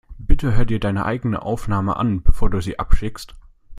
Bitte hör dir deine eigene Aufnahme an, bevor du sie abschickst.